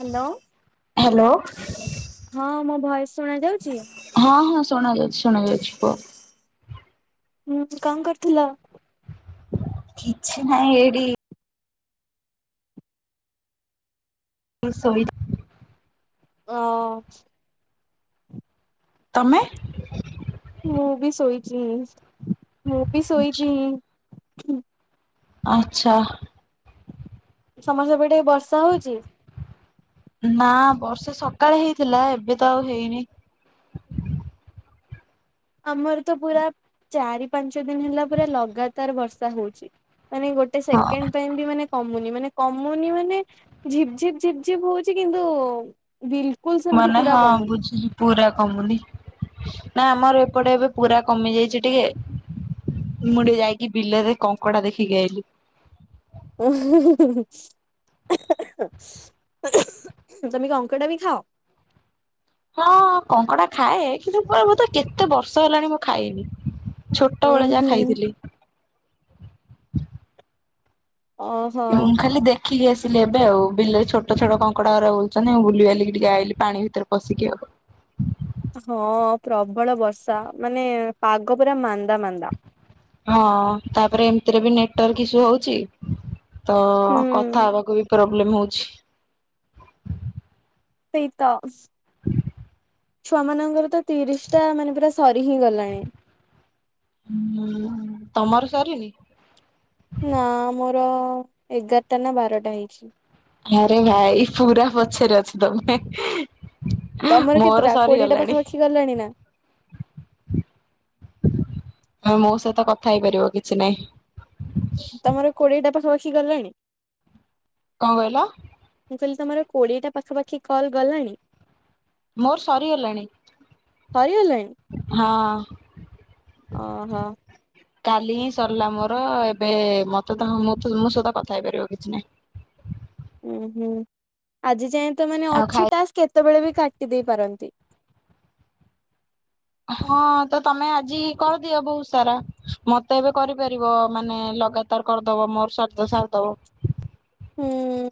Hello hello. ହଁ ମୋ voice ଶୁଣା ଯାଉଛି? ହଁ ହଁ ଶୁଣ ଯାଉଛି ଶୁଣ ଯାଉଛି ପୁଅ। ହୁଁ କଣ କରୁଥିଲ। କିଛି ନାହିଁ ଏଇଟି ସୋଇଥି ହ। ତମେ ମୁଁ ବି ଶୋଇଛି, ମୁଁ ବି ଶୋଇଛି। ଆଚ୍ଛା ସମସ୍ତେ ପ ଟିକ ବର୍ଷା ହଉଛି ନା ବର୍ଷେ ସକାଳେ ହେଇଥିଲା ଏବେ ତ ଆଉ ହେଇନି ଆମର ତ ପୁରା ଚାରି ପାଞ୍ଚ ଦିନି ହେଲା ପୁରା ଲଗାତାର ବର୍ଷା ହଉଛି। ମାନେ ଗୋଟେ ହଁ ସେକେଣ୍ଡ ପାଇଁ ମାନେ କମୁନି ମାନେ କମୁନି ମାନେ ଝିପ୍ ଝିପ୍ ଝିପ୍ ଝିପ୍ ହଉଛି କିନ୍ତୁ ବିଲକୁଲ ସେମିତି ମାନେ ପୁରା ହଁ କମୁନି। ବୁଝିଲି ପୁରା କମୁନି, ନା ଆମର ଏପଟେ ଏବେ ପୁରା କମି ଯାଇଛି ଟିକେ ମୁଁଡେ ଯାଇକି ବିଲରେ କଙ୍କଡା ଦେଖିକି ଆାଇଲି। ହ ତମେ କଙ୍କଡା ବିି ଖାଅ। ହଁ କଙ୍କଡା ଖାଏ, କିନ୍ତୁ ପୁରା ମୋତେ କେତେ ବର୍ଷ ହେଲାଣି ମୁଁ ଖାଇନି। ଉୁଁ ଛୋଟବେଳେ ଯାହା ହୁଁ ଖାଇଥିଲି। ଓହୋ ହଁ ଖଲି ଦେ ଦେଖିକି ଆସିଲି ଏବେ ଆଉ ବିଲରେ ଛୋଟ ଛୋଟ କଙ୍କଡା ଘର ହଉଛନ୍ତିଁ ବୁଲିିବାଲିକି ଟିକେ ଆଇଲି ପାଣି ଭିତରେ ପଶିକି ହବ। ହଁ ପ୍ରବଳ ବର୍ଷା ମାନେ ପାଗ ପୁରରା ମାନ୍ଦା ମାନ୍ଦା। ହଁ ତାପରେ ଏମିତିରେ ବି ନେଟୱାର୍କ ଇସୁ ହଉଛି। ତ କଥା ହୁଁ ହବାକୁ ବି ପ୍ରୋବ୍ଲେମ ହଉଛି। ସେଇ ତ ଛୁଆ ମାନଙ୍କର ତ ତିରିଶ ଟା ମାନେ ପୁରା ସରି ହିଁ ଗଲାଣି। ହଁ ତମର ସରିନି ନା ମୋର ଏଗାରଟା ନା ବାରଟା ହେଇଛି। ଆରେ ଭାଇ ପୁରା ପଛରେ ଅଛ ତମେ। ତମର ମୋର କେତେଟା କୋଡିଏଟା ସରିଗଲାଣି। ପାଖାପାଖି ଗଲାଣି ନା ମୋ ସହିତ କଥା ହେଇପାରିବ କିଛି ନାହିଁ। ତମର କୋଡେଇଟା ପାଖା ପାଖି ଗଲାଣି? କଣ କହିଲ? ମୁଁ କହିଲି ତମର କୋଡିଏଟା ପାଖାପାଖି କଲ୍ ଗଲାଣି? ମୋର ସରିଗଲାଣି। ସରିଗଲାଣି ହଁ ଓହୋ କାଲି ହିଁ ସରିଲା ମୋର ଏବେ ମତେ ତ ମୋ ସହିତ କଥା ହେଇପାରିବ କିଛି ନାହିଁ। ଉଁ ହୁଁ ଆଜି ଯାଏଁ ତ ମାନେ ଆଉ ଖାଇ ଅଛି ଟାସ୍ କେତେବେଳେ ବି କାଟି ଦେଇ ପାରନ୍ତି। ହଁ ତ ତମେ ଆଜି କରିଦିଅ ବହୁତ ସାରା ମତେ ଏବେ କରିପାରିବ ମାନେ ଲଗା ତାର କରିଦବ ମୋର ସଦ୍ଦ ସାରିଦବ ହୁଁଉଁ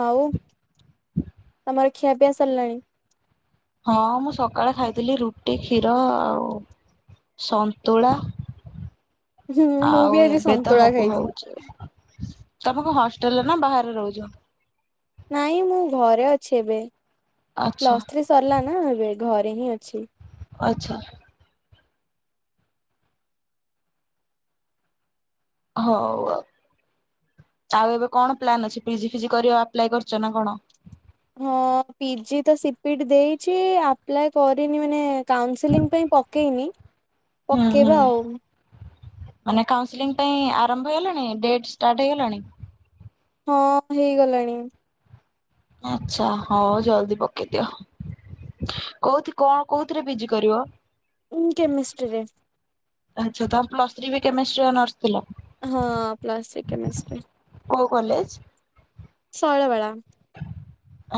ଆଉ ତମର ଖିଆପିଆ ସିରିଲାଣି? ହଁ ମୁଁ ସକାଳେ ଖାଇଥିଲି ରୁଟି କ୍ଷୀର ଆଉ ସନ୍ତୁଳା ହୁଁ ମୁଁ ବି ଆଉ ଆଜି ଏବେ ତ ସନ୍ତୁଳା ହବୁ ଖାଇଛି। ହଉଚି ତମେ କଣ ହଷ୍ଟେଲରେ ନା ବାହାରେ ରହୁଚ। ନାଇଁ ମୁଁ ଘରେ ଅଛି ଏବେ ଆଚ୍ଛା ପ୍ଲସ୍ ଥ୍ରୀ ସରିଲା ନାଁ ଏବେ ଘରେ ହିଁ ଅଛି। ଆଚ୍ଛା ହଉଆଉ ଆଉ ଏବେ କଣ ପ୍ଲାନ୍ ଅଛି ପିଜି ଫିଜି କରିବା ଆପ୍ଲାଏ କରୁଛ ନା କଣ? ହଁ ପିଜି ତ ସିପିଟ ଦେଇଛି ଆପ୍ଲାଏ କରିନି ମାନେ କାଉନସିଲିଂ ପାଇଁ ପକେଇନି ନାଁ ନାଁ ପକେଇବା ଆଉ ମାନେ କାଉଁସିଲିଂ ପାଇଁ ଆରମ୍ଭ ହେଗଲାଣି ଡେଟ ଷ୍ଟାର୍ଟ ହେଇଗଲାଣି ହଁ ହେଇଗଲାଣି। ଆଛା ହଉ ଜଲଦି ପକେଇଦିଅ। କୋଉଥି କଁ କୋଉଥିରେ ପିଜି କରିବ ଉଁ କେମେଷ୍ଟ୍ରି ରେ ଆଚ୍ଛା ତା ପଲସ୍ ଥ୍ରୀ ବି କେମିଷ୍ଟ୍ରି ଅନର୍ସ। ଥିଲା। ହଁ ପ୍ଲସ ଥ୍ରୀ କେମେଷ୍ଟ୍ରି ରେ କୋଉ କଲେଜ ଶୈଳଵାଳା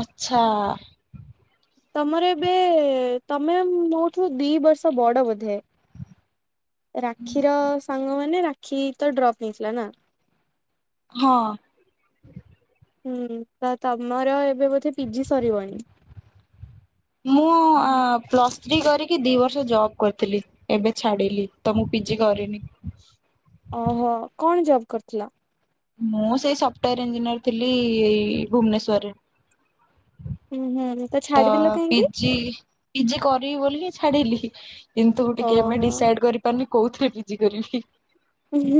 ଆଛା ତମର ଏବେ ତମେ ମୋଠୁ ଦି ବର୍ଷ ବଡ ବୋଧେ। ରାକ୍ଷୀର ସାଙ୍ଗ ମାନେ ରାକ୍ଷୀ ତ ଡ୍ରପ୍ ନେଇଥିଲା ନାଁ ହଁ ହୁଁ ତ ତମର ଏବେ ବୋଧେ ପିଜି ସରିବଣି ମୁଁ ଆ ପ୍ଲସ୍ ଥ୍ରୀ କରିକି ଦି ବର୍ଷ ଜବ୍ କରିଥିଲି ଏବେ ଛାଡିଲି ତ ମୁଁ ପିଜି କରିନି ଓହୋ କଣ ଜବ୍ କରିଥିଲ ମୁଁ ସେଇ ସଫ୍ଟୱାର ଇଞ୍ଜିନିୟର ଥିଲି ଏଇ ଭୁବନେଶ୍ୱରରେ ହୁଁ ହୁଁ ତ ଛାଡିଦେଲ କାହିଁକି ପିଜି ପିଜି କରିବି ବୋଲିଁ ଛାଡିଲି କିନ୍ତୁ ଟିକେ ଏବେ ଓହୋ। ଡିସାଇଡ କରି ତାହାନେ କୋଉଥିରେ ପିଜି କରିବି ହିଁ ହୁଁହୁଁ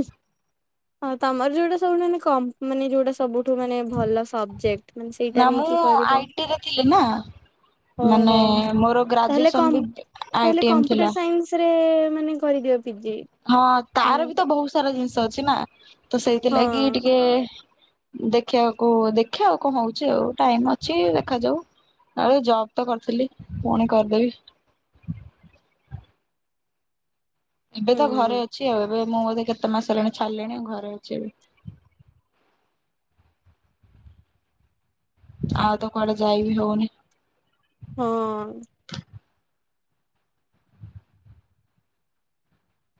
ହଁ ତମର ଯୋଉଟା ସବୁଠୁ ମାନେ କମ ମାନେ ଯୋଉଟା ସବୁ ସବୁଠୁ ମାନେ ଭଲ ସବଜେକ୍ଟ ମାନେ ନା ସେଇଟା ମୁଁ ନେଇକି କରିବ। ଆଇଟିରେ ଥିଲି ନା ମାନେ ଓହୋ ମୋର graduation BTech I T M ଥିଲା। ସାବଇନ୍ସ ରେ ମାନେ କରିଦିଅ ପିଜି ହଁ ତାର ମାନେ ବି ତ ବହୁତ ସାରା ଜିନିଷ ଅଛି ନାଁ ତ ହଁ ସେଇଥିଲାଗି ଟିକେ [unintelligible] ଆ କଣ ହଉଛି ଆଉ ଟାଇମ ଅଛି ଦେଖାଯାଉ। ଆଉ ଜବ୍ ତ କରିଥିଲି ପୁଣି କରିଦେବି। ଏବେ ତ ଘରେ ହୁଁ ଅଛି ଆଉ ଏବେ ମୁଁ ବୋଧେ କେତେ ମାସ ହେଲାଣି [unintelligible] ଆଉ ଘରେ ଅଛି ଏବେ। ଆଉ ତମ ଆଡେ ଯାଇବି ବି ହଉନି। ହଁ।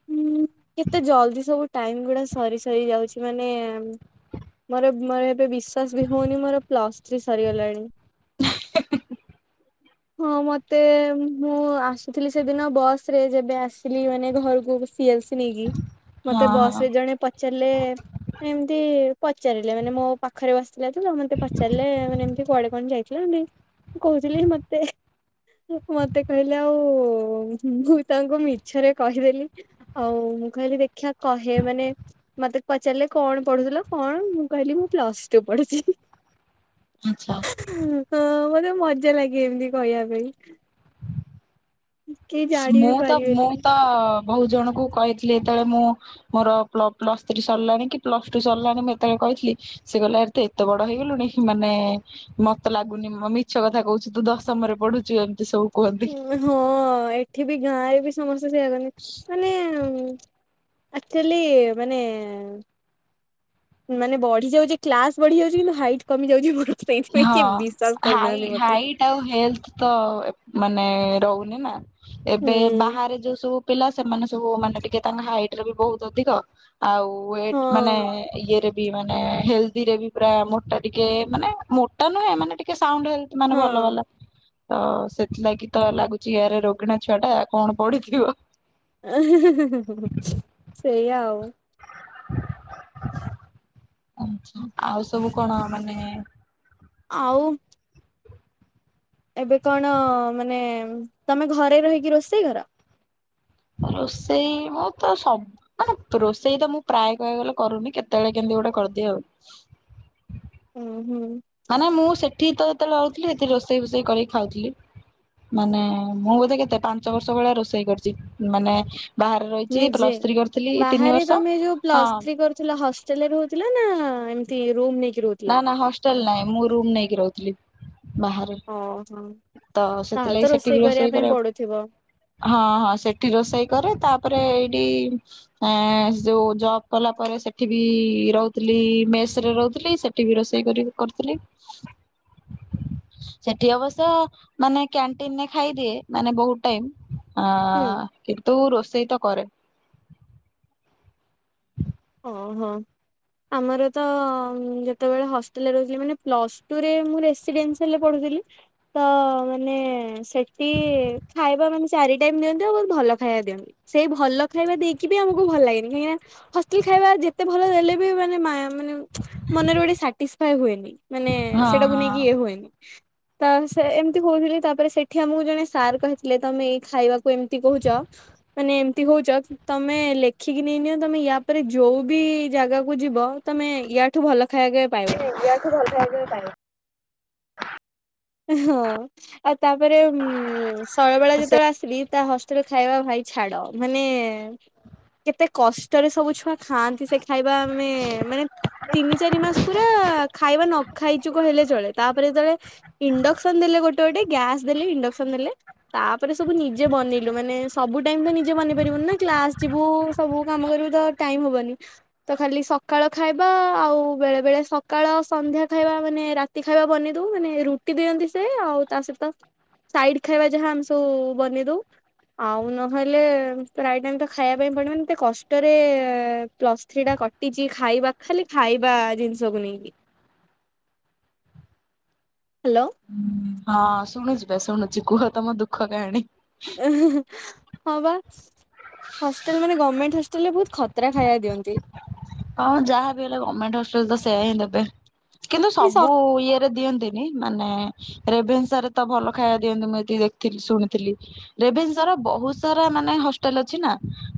ହୁଁ କେତେ ଜଲଦି ସବୁ ଟାଇମ ଗୁଡା ସରି ସରି ଯାଉଛି ମାନେ ମୋର ମୋର ଏବେ ବିଶ୍ଵାସ ବି ହଉନି ମୋର ପ୍ଲସ ଥ୍ରୀ ସରିଗଲାଣି। ହଁ ମତେ ମୁଁ ଆସୁଥିଲି ସେଦିନ ବସ ରେ ଯେବେ ଆସିଲି ମାନେ ଘରୁକୁ ସିଏଲସି ନେଇକି ହଁ ମତେ ବସ ହଁ ରେ ଜଣେ ପଚାରଲେ ଏମିତି ପଚାରିଲେ ମାନେ ମୋ ପାଖରେ ବସିିଥିଲେ ତ ମତେ ପଚାରିଲେ ମାନେ ଏମିତି କୁଆଡେ କଣ ଯାଇ [unintelligible] ମୁ କହୁଥିଲି ମତେ ମତେ କହିଲେ ଆଉ ମୁଁ ତାଙ୍କୁ ମିଛରେ କହିଦେଲି ଆଉ ମୁଁ କହିଲି ଦେଖିଆ କହେ ମାନେ ମତେ ପଚାରିଲେ କଣ ପଢୁଥିଲ କଣ ମୁଁ କହିଲି ମୁଁ ପ୍ଲସ ଟୁ ପଢିଚି। ଆଚ୍ଛା। ହଁ ତ ମତେ ମଜା ଲାଗେ ଏମିତି କହିବା ପାଇଁ। କେହି ଜାଣି ମୁଁ ବି ତ ମୁଁ ପାରିବେନି। ତ ବହୁତ ଜଣଙ୍କୁ କହିଥିଲି ଯେତେବେଳେ ମୁଁ ମୋର ପ୍ଲ ପ୍ଲସ୍ ଥ୍ରୀ ସରିଲାଣି କି ପ୍ଲସ ଟୁ ସରିଲାଣି ମୁଁ ଏତେବେଳେ କହିଥିଲି ସେ କହିଲା ଆରେ ତୁ ଏତେ ବଡ ହେଇଗଲୁଣି ମାନେ ମତେ ଲାଗୁନି ମ ମିଛ କଥା କହୁଛୁ ତୁ ଦଶମରେ ପଢୁଛୁ ଏମିତି ସବୁ। କୁହନ୍ତି। ଉଁ ହଁ ଏଠି ବି ଗାଁ ରେ ବି ସମସ୍ତେ ସେଇଆ କହନ୍ତି ମାନେ ଆକ୍ଚୁଆଲି ମାନେ ମାନେ ବଢିଯାଉଚି କ୍ଲାସ୍ ବଢିଯାଉଚି କିନ୍ତୁ ହାଇଟ୍ କମି ଯାଉଚି ମୋର। ସେଇଥିପାଇଁ କିଏ ହଁ ବିଶ୍ଵାସ ହାଇ କରୁନାହାନ୍ତି ମତେ। ହାଇଟ ଆଉ ହେଲଥ ତ ଏ ମାନେ ରହୁନି ନା ଏବେ ହୁଁ ବାହାରେ ଯୋଉ ସବୁ ପିଲା ସେମାନେ ସବୁ ମାନେ ଟିକେ ତାଙ୍କ ହାଇଟ ରେ ବି ବହୁତ ଅଧିକ ଆଉ ୱେଟ ମାନେ ହଁ ଇଏରେ ବି ମାନେ ହେଲଦିରେ ବି ପୁରା ମୋଟା ଟିକେ ମାନେ ମୋଟା ନୁହେଁ ମାନେ ଟିକେ ସାଉଣ୍ଡ ହେଲ୍ଥ ମାନେ ଭଲ ହଁ ବାଲା। ତ ସେଥିଲାଗି ତ ଲାଗୁଚି ୟାରେ ରୋଗିଣା ଛୁଆ ଟା କଣ ପଢିଥିବ। ସେଇଆ ଆଉ। ଆଚ୍ଛା ଆଉ ସବୁ କଣ ମାନେ ଆଉ ଏବେ କଣ ମାନେ ତମେ ଘରେ ରହିକି ରୋଷେଇ କର। ରୋଷେଇ ମୁଁ ତ ସବ ମାନେ ରୋଷେଇ ତ ମୁଁ ପ୍ରାୟ କହିଆକୁ ଗଲେ କରୁନି କେତେବେଳେ କେମିତି ଗୋଟେ କରିଦିଏ ଆଉ। ହୁଁ ହୁଁ। ମାନେ ମୁଁ ସେଠି ତ ଯେତେବେଳେ ରହୁଥିଲି ସେଠି ରୋଷେଇ ଫୋଷେଇ କରି ଖାଉଥିଲି। ମାନେ ମୁଁ ବୋଧେ କେତେ ପାଞ୍ଚ ବର୍ଷ ଭଳିଆ ରୋଷେଇ କରିଚି ମାନେ ବାହାରେ ରହିଛି ନିଜେ ପ୍ଲସ ଥ୍ରୀ କରିଥିଲି ତିନି ବାହାରେ ବର୍ଷ ତମେ ଯୋଉ ହଁ ପ୍ଲସ୍ ଥ୍ରୀ କରୁଥିଲ ହସ୍ ଲରେ ରହୁଥିଲ ନା ଏମିତି ରୁମ ନେଇକି ରହୁ ନା ନା ହଷ୍ଟେଲ ନାଇଁ ମୁଁ ରୁମ୍ ନେଇକି ରହୁଥିଲି। ବାହାରେ ଓହୋ। ତ ତାହେଲେ ତ ସେଥିଲାଗି ସେଠିକି ବି କରିବା ରୋଷେଇ ପାଇଁ ପଡୁଥିବ କରିଆ ହଁ ହଁ ସେଠି ରୋଷେଇ କରେ ତାପରେ ଏଇଟି ଏଁ ଯୋଉ ଜବ କଲା ପରେ ସେଠି ବି ରହୁଥିଲି ମେସରେ ରହୁଥିଲି ସେ ଟିବି ରୋଷେଇ କରି କରିଥିଲି। ସେଠି ଅବଶ୍ୟ ମାନେ କ୍ୟାଣ୍ଟିନରେ ଖାଇଦିଏ ମାନେ ବହୁତ୍ ଟାଇମ୍ ଆଁ ହୁଁ ଆଁ କିନ୍ତୁ ରୋଷେଇତ କରେ। [inaudible] ହଁ ହଁ। ଆମରତ ଯେତେବେଳେ ହଷ୍ଟେଲରେ ରହୁଥିଲେ ମାନେ ପ୍ଲସ୍ ଟୁ ରେ ମୁଁ ରେସିଡେନ୍ସି ସେଲେ ପଢୁଥିଲି ତ ମାନେ ସେଟି ଖାଇବା ମାନେ ଚାରି ଟାଇମ୍ ଦିଅନ୍ତି ଆଉ ବହୁତ୍ ଭଲ ଖାଇବା ଦିଅନ୍ତି ସେଇ ଭଲ ଖାଇବା ଦେଇକିବି ଆମକୁ ଭଲ ଲାଗେନି କାହିଁକିନା ହସ୍ ଟେଲ ଖାଇବା ଯେତେ ଭଲ ଦେଲେବି ମାନେ ମା ମାନେ ମନରେ ଗୋଟେ ସାଟିସଫାଏ ହୁଏନି ମାନେ ହଁ ସେଟାକୁ ନେଇକି ଇଏ ହଁ। ହୁଏନି ତ ସେ ଏମିତି ହଉଥିଲେ ତାପରେ ସେଠି ଆମକୁ ଜଣେ ସାର୍ କହିଥିଲେ ତମେ ଏଇ ଖାଇବାକୁ ଏମିତି କହୁଚ ମାନେ ଏମିତି ହଉଚ ତମେ ଲେଖିକି ନେଇ ନିଅ ତମେ ୟା ପରେ ଯୋଉବି ଜାଗାକୁ ଯିବ ତମେ ୟାଠୁ ଭଲ ଖାଇବା କେ ଇୟାଠୁ ଭଲ ଖାଇବା ପାଇବନି ହଁ ଆଉ ତାପରେ ଉ ଶୟଳବାଳା ତ ସେ ଯେତେବେଳେ ଆସିଲି ତା ହଷ୍ଟେଲ ଖାଇବା ଭାଇ ଛାଡ଼ ମାନେ କେତେ କଷ୍ଟ ଭତରେ ସବୁ ଛୁଆ ଖାଆନ୍ତି ସେଖାଇବା ଆମେ ମାନେ ତିନି ଚାରି ମାସ ପୁରା ଖାଇବା ନ ଖାଇଚୁ କହେଲେ ଚଳେ ତାପରେ ଯେତେଳେ ଇଣ୍ଡକ୍ସନ ଦେଲେ ଗୋଟେ ଗୋଟେ ଗ୍ୟାସ୍ ଦେଲେ ଇଣ୍ଡକ୍ସନ ଦେଲେ ତାପରେ ସବୁ ନିଜେ ବନେଇଲୁ ମାନେ ସବୁ ଟାଇମ୍ତ ନିଜେ ବନେଇ ପାରିବୁନିନା କ୍ଲାସ୍ ଯିବୁ ସବୁ କାମ କରିବୁ ତ ଟାଇମ୍ ହବନି ତ ଖାଲି ସକାଳ ଖାଇବା ଆଉ ବେଳେ ବେଳେ ସକାଳ ସନ୍ଧ୍ୟା ଖାଇବା ମାନେ ରା ତି ଖାଇବା ବନେଇଦଉ ମାନେ ରୁଟି ଦିଅନ୍ତି ସେ ଆଉ ତାଷହିତ ସାଇଡ଼ ଖାଇବା ଯାହା ଆମେ ସବୁ ବନେଇ ଦଉ ଆଉ ନହେଲେ ପ୍ରାୟ ଟାଇମତ ଖାଇବା ପାଇଁ ପଡ଼ିବନିତ କଷ୍ଟରେ ପ୍ଲସ୍ ଥ୍ରୀଟା କ ଟିଚି ଖାଇବା ଖାଲି ଖାଇବା ଜିନିଷକୁ ନେଇକି ହାଲୋ। ହଁ ଶୁଣୁଚି ବା ଶୁଣୁଚି କୁହ ତମ ଦୁଃଖ କାହିଁଣୀ? ହଁ ବା ହଷ୍ଟେଲ୍ ମାନେ ଗଭମେଣ୍ଟ ହଷ୍ ଲେ ବହୁତ୍ ଖତରା ଖାଇବା ଦିଅନ୍ତି। ହଁ ଯାହାବି ହେଲେ ଗଭର୍ଣମେଣ୍ଟ ହସ୍ପିଟାଲତ ସେଇୟାହିଁ ଦେବେ କିନ୍ତୁ ପୁଣି ସ ସବୁ ଇଏ ଦିଅନ୍ତିନି ମାନେ ରେଭନ୍ସାରେତ ଭଲ ଖାଇବା ଦିଅନ୍ତି ମୁଁ ଏତିକି ଦେଖିଥିଲି ଶୁଣିଥିଲି ରେଭେନ୍ସାରେ ବହୁତ୍ ସାରା ମାନେ ହଷ୍ଟେଲ ଅଛିନା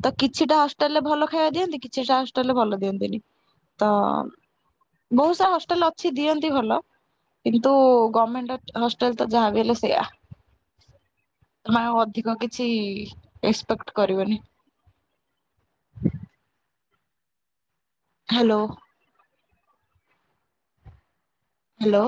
ତକିଛିଟା ହଷ୍ଟେଲରେ ଭଲ ଖାଇବା ଦିଅନ୍ତି କି କିଛିଟା ହଷ୍ଟେଲରେ ଭଲ ଦିଅନ୍ତିନି ତ ବହୁତ୍ ସାରା ହଷ୍ଟେଲ ଅଛି ଦିଅନ୍ତି ଭଲ କିନ୍ତୁ ଗଭର୍ମେଣ୍ଟ ହଷ୍ଟେଲତ ଯାହାବି ହେଲେ ସେଇଆ ତମେ ଆଉ ଅଧିକ କିଛି ଏସପେକ୍ଟ କରିବନି ହାଲୋ। ହାଲୋ।